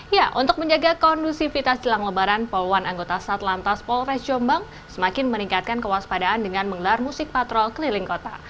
ya untuk menjaga kondusivitas jelang lebaran poluan anggota satlantas polres jombang semakin meningkatkan kewaspadaan dengan menggelar musik patrol keliling kota